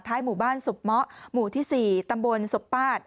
หมู่บ้านศพเมาะหมู่ที่๔ตำบลสบปาด